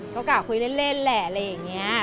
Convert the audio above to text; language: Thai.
เขากล่าวคุยเล่นแหละ